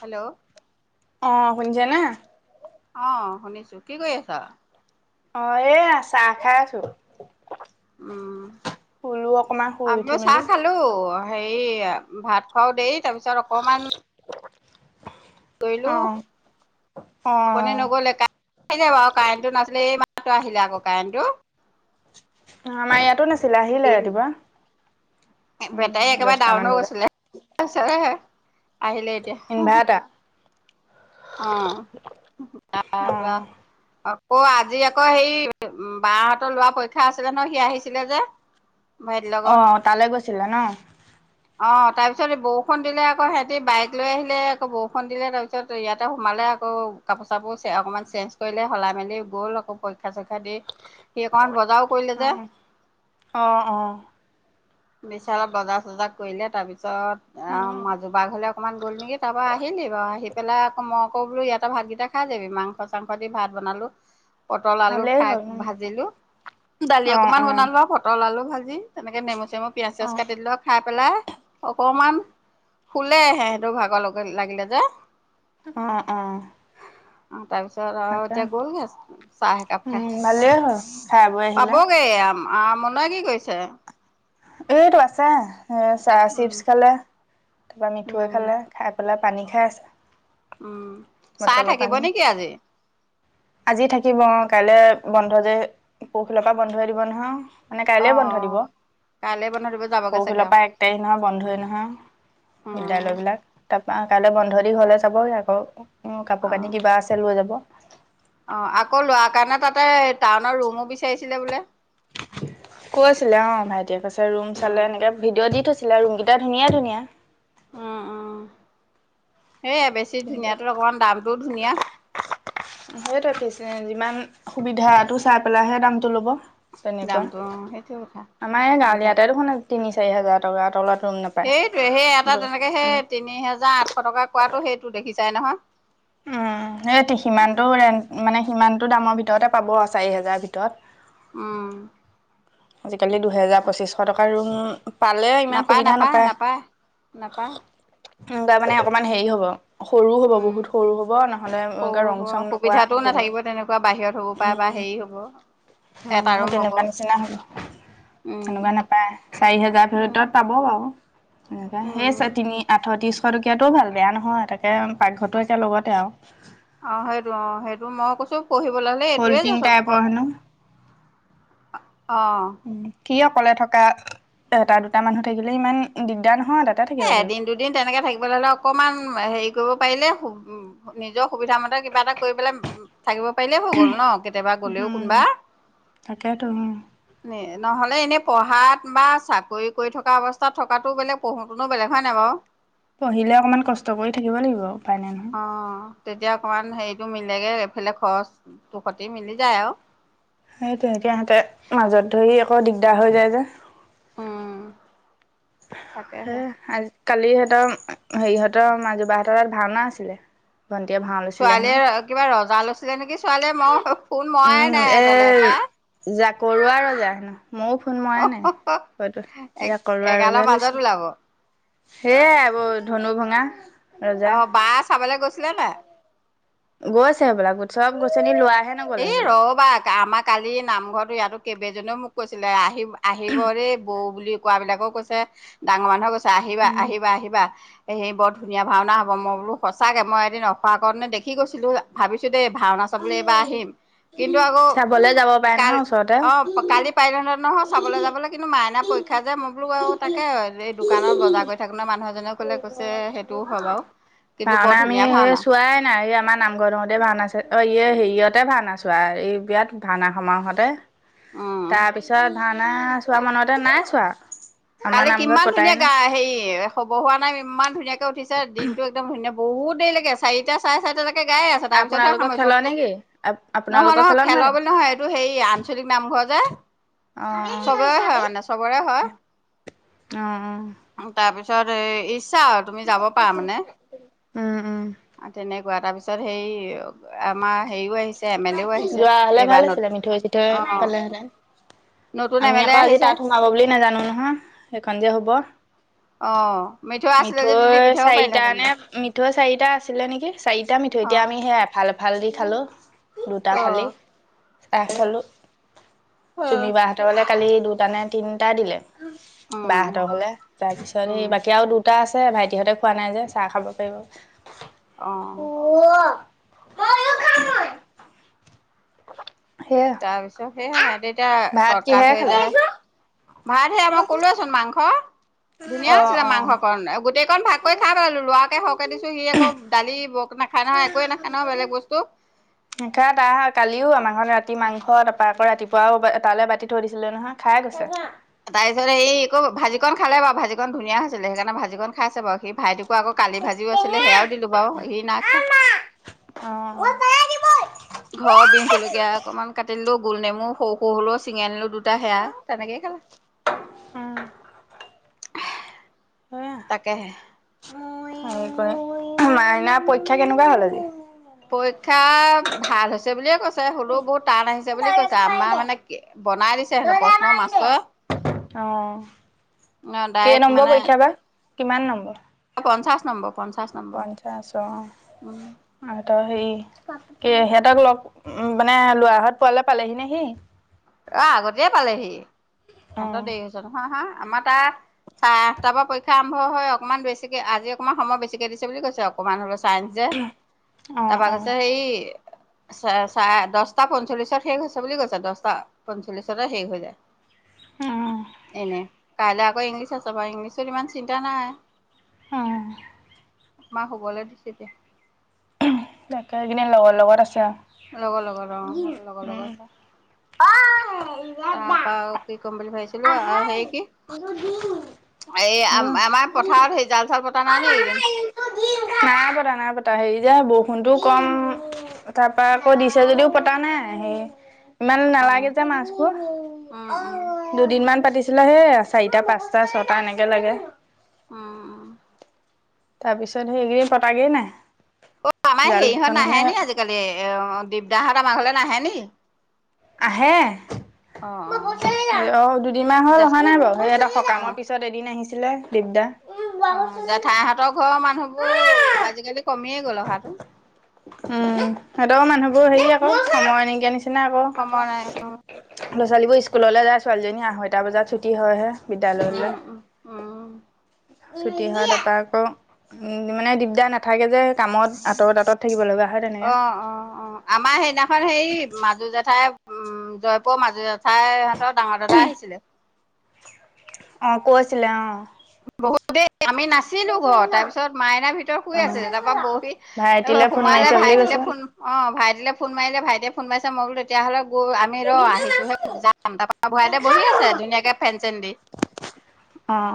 Hello অ, শুনিছেনে? অ, শুনিছো কি কৰি আছা। অ, এয়া চাহ খাই আছো। উম, শুলো অকমান শুই উঠি আমিও চাহ মেলি খালো। হেৰি ভাত খোৱাও দেৰি তাৰপিছত অকমান কৰিলো অ অ পনি নগলে কা বাৰু কাৰেণ্টটো নাছিলে এই ম মাত্ৰ আহিলে আকৌ কাৰেণ্টো। আমাৰ ইয়াতো নাছিলে আহিলে ৰাতিপুৱা। উম বেটাৰী একেবাৰে দহটামান ডাউন হৈ বজাত গৈছিলে। আহিলে এতিয়া। ইনভাৰ্টাৰ অ, তাৰ অ পৰা অ' আজি আকৌ হেৰি বা হতৰ ল'ৰা পৰীক্ষা আছিলে ন সি আহিছিলে যে। ভাইটিৰ অ লগত, তালৈ গৈছিলা ন অ'। তাৰপিছত এই বৰষুণ দিলে আকৌ, সেহঁতি বাইক লৈ আহিলে আকৌ বৰষুণ দিলে তাৰপিছত। ত ইয়াতে সোমালে আকৌ কাপোৰ চাপোৰ অকণমান চেঞ্জ কৰিলে সলাই মেলি গ'ল আকৌ পৰীক্ষা চৰীক্ষা দি সি অকমান বজাৰো কৰিলে অ যে। অ'- অ'। বিচালত বজাৰ চজাৰ কৰিলে তাৰপিছত আ অ মাজুবা ঘৰলে অকণমান গ'ল নেকি তাৰপৰা আহিলি বাৰু আহি পেলাই আকৌ মই আকৌ বোলো ইয়াতে ভাতকেইটা খাই যাবি, মাংস চাংস দি ভাত বনালো। পটল আলু ভালেই খাই হ'ল ভাজিলো, দালি অ অকমান অ বনালো আৰু পটল আলু ভাজি তেনেকে নেমু চেমু পিয়াজ অ চিয়াজ কাটি দিলোঁ খাই পেলাই অকমান শুলে সেহঁতৰ ভাগৰ লগ লাগিলে যে। অ অ তাৰপিছত আৰু তাকে এতিয়া গ'লগে চাহ এক একাপ খাই, উম ভালেই হ'ল খাই বৈ আহিলা পাবগে আ আমোনাই কি কৰিছে। এইটো আছে এ চাহ উম চিপচ খালে তাৰপা মিঠৈ উম খালে খাই পেলাই পানী খাই আছে। উম, চাৰ বটলৰ থাকিব পানী নেকি আজি। আজি থাকিব অ' কাইলে বন্ধ যে পৰসিলৰ পৰা বন্ধই দিব নহয়। মানে অ কাইলে বন্ধ দিব, কাইলৈ বন্ধ দিব যাবগে চাগে পৰশিলৰ আৰু পৰা এক তাৰিখ নহয় বন্ধই নহয়। উম বিদ্যালয় বিলাক, তাৰপা কাইলৈ বন্ধ দি ঘৰলে যাবগে আকৌ উম্, অ কাপোৰ কানি কিবা আছে লৈ যাব। অ' আকৌ ল'ৰাৰ কাৰণে তাতে টাউনৰ ৰুমো বিচাৰিছিলে বোলে। কৈ আছিলে অ' ভাইটিয়ে, কৈছে ৰুম উম চালে এনেকে ভিডিঅ' দি থৈছ চিলে ৰুমগীটা ধুনীয়া-ধুনীয়া। উম-উম সেইয়াই বেছি কিন্তু ধুনীয়াটো অকমান দামটোও ধুনীয়া। সেইটোৱে পিছে যিমান সুবিধাটো চাই পেলাইহে দামতটো ল'ব। তেনেকুৱা দামটো অ সেইটো কথা আমাৰ এই অসুবিধা গাৱলীয়াতে কৰি দেখোন তিনি চাৰি হাজাৰ টকাৰ তলত ৰুম নাপায় সেইটোৱে সেই এটা তেনেকে সেই উম তিনি হেজাৰ আঠশ টকা কোৱাটো সেইটো দেখিছাই নহয়। উম, সেই সিমানতটো ৰেণ্ট মানে সিমানটো দামৰ ভিতৰতে পাব চাৰি হেজাৰ ভিতৰত। উম। আজিকালি দুহেজাৰ তাকে পঁচিছশ টকাৰ ৰুম পালে ইমান সুবিধা নাপায়। নাপায় উম, তাৰ মানে ক'তো অকণমান হেৰি হ'ব সৰু হ'ব উম বহুত সৰু হ'ব নহ'লে এনেকে ৰং চং নকৰা তেনেক থাকিব তেনেকুৱা বাহিৰত হ'ব পাৰে বা হেৰি হ'ব। উম, এটা সেই ৰুম হ'ব তেনেকুৱা নিচিনা হ'ব, উম তেনেকুৱা নাপায়। চাৰি হেজাৰ উম ভিতৰত পাব বাৰু তেনেকুৱা, সেই উম চে তিনি আঠত্ৰিছ শটকীয়াটোও ভাল বেয়া নহয়, তাকে পাকঘৰটো একে লগতে আৰু। অ' সেইটো অ' সেইটো মই কৈছো পঢ়িবলৈ হ'লে এইটোৱে ফল্টিং যথ টাইপৰ হেনো। অ, অ'। উম কি অকলে থকা এটা দুটা মানুহ থাকিলে ইমান দিগদাৰ ন এ এদিন দুদিন তেনেকে থাকিবলে হ'লে অকমান হেৰি কৰিব পাৰিলে নিজৰ সুবিধা মতে কিবা এটা কৰি পেলাই থাকিব পাৰিলেই হৈ গ'ল ন, কেতেবা গ'লেও উম কোনোবা, তাকেতো [unintelligible] নহ'লে এনেই পঢ়াত বা চাকৰি কৰি থকা অৱস্থাত থকাটো বেলেগ পঢ়ো কোনো বেলেগ হয় নাই বাৰু। পঢ়িলে অকমান কষ্ট কৰি থাকিব লাগিব আও। অ'। তেতিয়া অকমান হেৰিটো মিলেগে, এইফালে খৰচটো সতি মিলি যায় আৰু। সেইটো এতিয়া সেহঁতে মাজত ধৰি আকৌ দিগদাৰ হৈ যায় যে। উম। তাকেহে সেইয়াই আজ কালি সিহঁতৰ হেৰিহঁতৰ মাজুবাহতৰ তাত ভাওনা আছিলে। ভণ্টিয়ে ভাও লৈছিলে হেনো। ছোৱালীয়ে কিবা ৰজা লৈছিলে নেকি? ছোৱালীয়ে মই ফোন মৰাই নাই এতিয়ালে পাই। কৰোৱাা ৰজা হে ন ময়ো ফোন মৰা নাই হয়তো এ যে কৰোৱা এগালৰ ৰজা মাজত লৈছো। ওলাব সেয়াই আবৌ ধনু ভঙা। ৰজা অ', বা চাবলৈ গৈছিলা নাই? গৈছে এই বিলাক [unintelligible] লোৱা এই ৰবা আমাৰ কালি নামঘৰটো ইয়াতো কেইবেইজনেও মোক কৈছিলে আহি আহিব দেই বৌ বুলি কোৱাবিলাকোও কৈছে ডাঙৰ মানুহে কৈছে আহিবা, উম, আহিবা-আহিবা। সে বৰ ধুনীয়া ভাওনা হব মই বোলোঁচাকে মই এদিন অখ আগত নে দেখি গৈছিলো ভাবিছো দেই ভাওনা চাবলৈ এইবাৰ আহিম কিন্তু আকৌ চাবলে যাব পাৰে কাল নহয় ওচৰতে। অ' কালি [unintelligible] নহয় চাবলৈ যাবলৈ কিন্তু মাইনা পৰীক্ষা যে মই বোলো আৰু তাকে এই দোকানত বজাৰ কৰি থাকো ন মানুহ এজনে কলে কৈছে সেইটোও হয় বাৰু। কিন্তু বৰ ভাওনা আমি ধুনীয়া সেই ভাওনা চোৱাই নাই এই আমাৰ নামঘৰত হে ভাওনা আছে অ ইয়ে হেৰি হতে ভাওনা ছোৱা এই বিৰাট ভাওনা সমাৰহতে উম তাৰপিছত মানে চোৱা মানুহ এতে নাই চোৱা। আমাৰ কালি নামঘৰত কিমান পতাই ধুনীয়া গা নাই। হে খবৰ হোৱা নাই ইমান ধুনীয়াকে উঠিছে দিনতটো একদম ধুনীয়া বহুত দেৰিলৈকে চাৰিটা চাৰে চাৰিটা গাইে আছ তাৰপিছতহে আপোনালোকৰ সামৰিছো খেলৰ নেকি? নহয় নহয় খেলৰ বুলি নহয় এইটো হেৰি আঞ্চলিক নামঘৰ অ', অ', [unintelligible] চবৰে হয় মানে চবৰে হয়। অ'। তাৰপিছত ইচ্ছা আৰু তুমি যাব পাৰা মানে উম, উম। তেনেকুৱা তাৰপিছত তাৰপিছত হেৰি আমাৰ হেৰিও আহিছে এম এল এও আহিছে যোৱা হলে ভাল এইবাৰ নত আছিলে মিঠৈ চিঠৈ অ পালে হেনে। নতুন এম আমি এল এ আকৌ আজি আহিছে তাত সোমাব বুলি নাজানো নহয় সেইখন যে হব। অ মিঠু আছিলে মিঠৈ যদি দি পঠিয়াব চাৰিটা পাৰিলাহেঁতেন নে তই মিঠৈ চাৰিটা আছিলে নেকি চাৰিটা মিঠ এতিয়া আমি সেইা এফাল এফাল দি খালো দুটা ফালি। চাহ খালো অ অ চুমি বা হতে বোলে কালি দুটা নে তিনিটা দিলে। অ উম বাহতৰ হলে তাৰ পিছত উম সেই বাকী আৰু দুটা আছে। আছে, ভাইটিহঁতে খোৱা নাই যে চাহ খাব পাৰিব। অ'। [unintelligible] [inaudible] তাৰ পিছত সেয়া সিহঁতে এতিয়া ভাত চৰ্টকাট কিহেৰে হৈ খালে যায়। ভাত হে মই কলোচোন মাংস ধুনীয়া অ আছিলে মাংসকণ গোটেই অকন ভাগ কৰি খাই পালো ল'ৰাকে সৰকে দিছো সি আকৌ দালি নাখায় নহয় একোৱে নাখায় নহয় অ বেলেগ বস্তু। [unintelligible] কালিও আমাৰ ঘৰত ৰাতি মাছ মাংস তাৰপা ৰাতিপুৱও তালৈ বাতি থৈ দিছিলে নহয় খাই গৈছে। তাৰপিছত সেই আকৌ ভাজিকন খালে বাৰু ভাজিকন ধুনীয়া হৈছিলে সেইকাৰণে ভাজিকখন খাইছে বাৰু সি ভাইটোক আকৌ কালি ভাজিও আছিলে সেয়াও দিলো বাৰু সি নাই খোৱা। ঘৰৰ বিন জলকীয়া অকমান কাটি দিলো গোল নেমু সৰু সৰু হলেও ছিঙি আনিলো দুটা সেয়া তেনেকেইে খালে। উম। তাকেহে। মাইনাৰ পৰীক্ষা কেনেকুৱা হ'ল আজি? পৰীক্ষা ভাল হৈছে বুলিয়ে কৈছে হলেও বহুত টান আহিছে বুলি কৈছে আমাৰ মানে বনাই দিছে হেনো প্ৰশ্ন মাষ্টৰ। অ'। কেই ডাইৰেক্ট নম্বৰ পৰীক্ষা বা কিমান নম্বৰ? পঞ্চাছ নম্বৰ। পঞ্চাশ নম্বৰ পঞ্চাছ অ উম [unintelligible] [unintelligible] সিহঁতক লগ উ মানে লৰাহত পোৱালে পালেহি নে সি অ', আগতেয়ে পালেহি, ইহঁতৰ অ' দেৰি হৈছে নহয় আহা আমাৰ তাৰ চাৰে আঠটা পৰা পৰীক্ষা আৰম্ভ হয়, অকনমান বেছিকে, আজি অকনমান সময় বেছিকে দিছে বুলি কৈছে, অকনমান হল ছাইঞ্চ যে, অ', তাৰপৰা অ', কছে হেই [unintelligible] দচটা পঞ্চল্লিশত শেষ হৈছে বুলি কৈছে, দচটা পঞ্চল্লিশতে শেষ হৈ যায়, অ', এনে কাইলৈ আকৌ ইংলিছ আছে বাৰু, ইংলিছত ইমান চিন্তা নাই। অ মা শুবলৈ দিছে তিয়া। তাকে কিনে লগৰ লগত আছে আৰু। লগৰ লগৰ অ স লগৰ লগৰ। উম। অ', তা পা কি কম বুলি ভাইছ। আহাৰ দুদিন। এই হয় আম অ', আমাৰ পথাৰত সেই জাল চাল পতা নাই নে মাহা একদিন। এইটো দিন নাই পতা নাই পতা। হেৰি যে বৰষুণতটো কম তাৰ পৰা আকৌ দিছে যদিও পতা নাই সেই ইমান অ উম নালাগে যে মাছবোৰ। উম ইমান পাতিছিলা সে চাৰিটা পাঁচটা ছটা এনেকে লাগে। উম উম। তাৰ পিছত সেইকেইদিন পতাগেই নাই। অ আমাৰ জাল হেৰিহঁত কেইখন নাহে মানে নি আজিকালি দিগদাহঁত আমাৰ ঘলে নাহে নি। আহে। অ অ ু অ দুদিন মাহ হল জা অহা নাই বাৰু সিহতৰ অ সকামৰ পিছত এদিন আহিছে। লে দিগদা। অ জেঠাইহঁতৰ ঘৰৰ মানুহবোৰ সিহঁতৰ আজিকালি কমিয়েই গ'ল অহাতো। উম, সিহঁতৰ মানুহবোৰ হেৰি আকৌ সময় নকিয়া নিচিনা। চনে আকৌ, সময় নাই ল'ৰা ছোৱালীবোৰ স্কুললৈ যায় ছোৱালীজনী আঢ়ৈটা বজাত ছুটী হয়হে। বিদ্যালয়লৈ। উম উম উম ছুটি হোৱা তপৰা আকৌ উম মানে দিগদাৰ নাথাকে যে কামত আঁতৰত আঁতৰত। থাকিব লগা হয় অ তেনেকে অ অ আমাৰ সেইদিনাখন হেই মাজু জাঠা উম জয়পুৰৰ মাজু জেঠাই ইহঁতৰ ডাঙৰ দাদা আহিছিলে। অ কৈছিল লে অ। বহুতেই। আমি নাছিলো ঘৰত তাৰ পিছত মাইনাই ভিতৰত অ শুই আছিলে তাৰ পৰহি ভাইটিলে ফোন সোমালে মাৰিছে বুলি ভাইটি। কৈছে ফোন অ ভাইটিলৈ ফোন মাৰিলে ভাইটিয়ে ফোন মাৰিছে মইো তেতিয়াাহলে আমি ৰ আহিছোহে, যাম তাৰাপৰা ভূৰাই দেে বহি আছে ধুনীয়াকে ফেন চেন দি।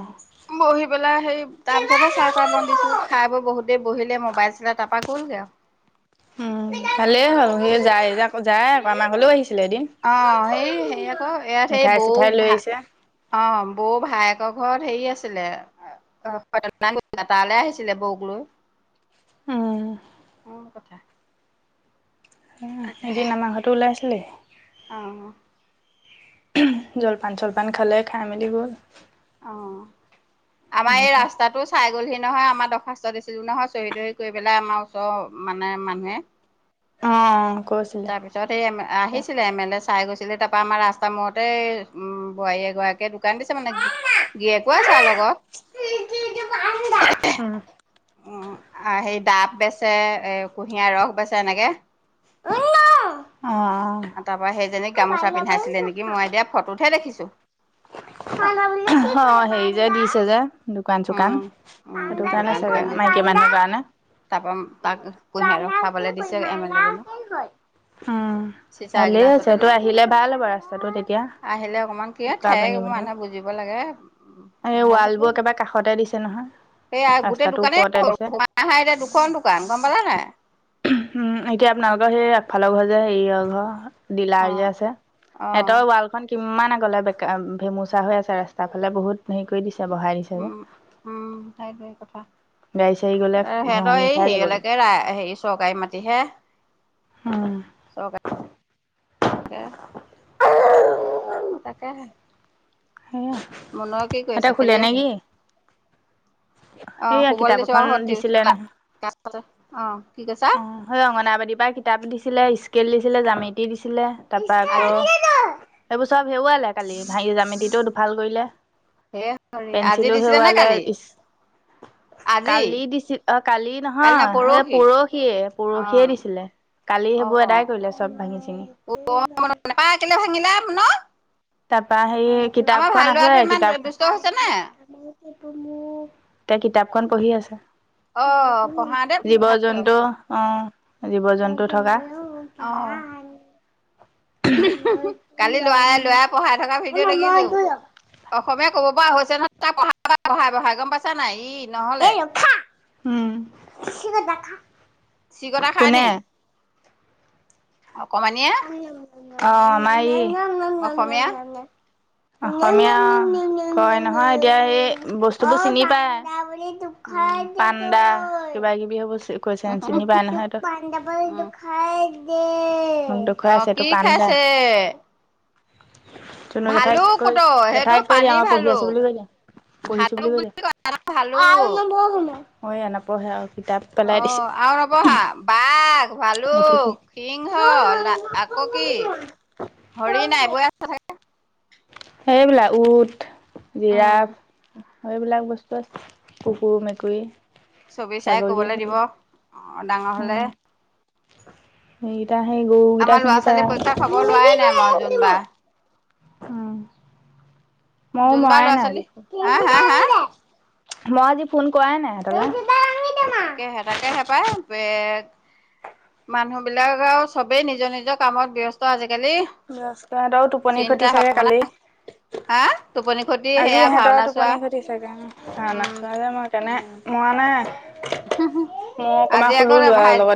অ বহি পেলাই সেই তাৰ উম পিছতহে চাহ তাহ বান্ধ দিছো। খাই বৈ বহুত দেৰি বহিলে মোবাইল চিলাই তাৰপা গ'লগে আউ। ভালেই হ'ল, সেই যাই য যায় আকৌ আমাৰ ঘলেও আহিছে। অ সেই সেই আকৌ ইয়াত সেই মিঠাই বৌ চিঠাই লৈ ভা আহিছে অ বৌ ভায়েকৰ ঘৰত হেৰি আছিলে অ, তালৈ আহিছিলে বৌক লৈ। উম মোৰ কথা। অ এদিন আমাৰ ঘৰতো ওলাই ছিলেহি। উম। জলপান চলপান খালে খাই মেলি গল। অ', আমাৰ এই এনেকে ৰাস্তাটো চাই গলহি। নহয় আমাৰ দৰ্খাস্ত দিছিলো নহয় চহী তহি কৰি পেলাই আমাৰ ওচৰৰ মানে মানুহে, অ, '। তাৰপিছত এই আহিছিলে এম এল এ চাই গৈছিলে তাৰ পৰাা আমাৰ ৰাস্তাৰ মূৰতে উম বোৱাৰী এগৰাকীয়ে দোকান দিছে মানে গি গিৰিয়েক ও আছে আও লগত। উম সেই ডাব বেচে এ কুঁহিয়াৰ ৰস বেচে এনেকে। উম তাৰ পৰাৰা সেইজনীক গামোচা অ পিন্ধাইছিলে নেকি অ মই এতিয়া ফটোতহে দেখিছো। অ হেৰি যে দিছে যে দোকান চোকান উম উম সেইটো কাৰণে চাগ মাইকী মানুহৰ কাৰণে। তাৰপা তাক কুঁহিয়াই ৰ খাবলে দিছে এম এল এ জনক। উম। চিচা ভালেই আছে। এগিলাচতে তই দিছে আহিলে ভাল হ'ব ৰাস্তাটো তেতিয়া, আহিলে অকমান কি ঠেক বোকা-পানীবোৰ মানুহে বুজিব লাগে, ভাল হ'ব। অতাই দিছে নহয়। এইয়া গোটেই ৰাস্তাটোৰ দোকানেই ওপৰতে দিছে দুখন দোকান গম পালা নাই? উম এতিয়া আপোনালোক অ, সেই আগফালৰ ঘৰ যে হেৰিয়ৰ ঘৰ ডিলাৰ অ যে আছে অ সিহঁতৰ ৱালখন কিমান আগলে বেকা, ভেমুচা হৈ আছে ৰাস্তা ফালে বহুত হেৰি কৰি দিছে। বহাই দিছে যে উম উম সেইটোৱে কথা। গাড়ী চাড়ী গ'লে সিহঁতৰ ঘহনি এই খাই যাবগৈ হেৰিয়ালকে ৰা হেৰি চৰকাৰী মাটিহে। হম কে অ, তাকেহে। সেয়া মুনুৱে কি কৰি সিহঁতে আছে? শুলে খেলি নে আছে? কি? অ সেয়া শুবলৈ কিতাপ দিছো এখন দিছিলে নহয়। কি কৈছা অ, সেই অংগনাবাদীৰ পৰাই কিতাপ দিছিলে, স্কেল দিছিলে, জামিতি দিছিলে। তাৰপৰা আকৌ আজি এইবোৰ চব হেৰুওৱালে কালি, ভাঙি জ্যামেতিটোও দুফাল কৰিলে। হে হৰি আজি পেঞ্চিলো দিছিলে নে হেৰুওৱালে কালি ইস আজি কালি দিছিল অ কালি নহয় সেই পৰহি। অ পৰহিয়ে দিছিলে, কালি অ সেইবোৰ এদাই কৰিলে সব ভাঙি চিঙি। নেপায়, কেলেই ভাঙিলা? ন তাৰপা সেই আমাৰ কিতাপখন ভাল আছে, ল'ৰাটো ইমান কিতাপ দুষ্ট হৈছে নে? এতিয়া কিতাপখন পঢ়ি আছে। অ' পঢ়াওঁতে ভাল জীৱ-জন্তু, অ, জীৱ জন্তু থকা। অহ কালি ল'ৰা উম ল'ৰাই পঢ়াই থকা ভিডিঅ' দেখিছো। অসমীয়া ক'ব পৰা হৈছে নহয়, তাক পঢ়াই গম পাইছা নে নাই? ই নহ'লে এই ৰখা। উম। চিঃ! কটা খায়নি? অকমানিয়ে অ, আমাৰ ই অসমীয়া অসমীয়া কয় নহয়, এতিয়া এই বস্তু বোৰ চিনি পায়। এইটো খায় উম, পাণ্ডা কিবা কিবি সেইবোৰ। কৈছে চিনি পাই নহয় এইটো--এইটো পাণ্ডা বল টো উম, খাই দে। দেখুওৱাই অ' আছে এইটো কি পাণ্ডা। খাইছে? তুমি ভালুক পুতৌ সেইটো জেঠাইক কৈ দিয়া, পানী অ, পঢ়ি আছো ভালুক বুলি কৈ দিয়া। পঢ়িছো বুলি কৈ দিয়া আৰু ভালুক নপঢ়ো মই, এইয়া নপঢ়ে আৰু। কিতাপ পেলাই অ দিছে আৰু নপঢ়া? বাঘ, এইটো কি ভালুক, সিংহ আকৌ কি? হৰিণাই এইবোৰৰ হে চাই থাকে। সেইবিলাক উট, উম, জিৰাফ আৰু এইবিলাক বস্তু আছে কুকুৰ, মেকুৰী। ছবি চাই ছাগলী ক'বলৈ দিব, সেইবিলাক ডাঙৰ উম হ'লে। সেইকেইটা সেই গৰুকেইটা আমাৰ ল'ৰা চিনি ছোৱালী পায় পৰীক্ষা খবৰ লোৱাই নাই মই আৰু যোনবাৰ উম। মই যোনবাৰ মৰাই ল'ৰা নাই ছোৱালী আজি হা হা হা মই আজি ফোন কৰাই নাই সিহঁতৰ তাকে হে, তাকে হে পায় মানুহবিলাক আৰু সবেই নিজৰ-নিজৰ কামত ব্যস্ত আজিকালি। ব্যস্ত টোপনি চিন্তা খতি চাগে ভাৱনা কালি। হা টোপনি খতি আজি সেয়া ইহঁতৰো ভাওনা চোৱা টোপনি খতি চাগে উম, উম উম মানে মই অকণমান আজি শুলো আকৌ ল'ৰাৰ ভাই লগত।